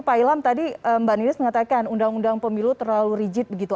pak ilham tadi mbak ninis mengatakan undang undang pemilu terlalu rigid begitu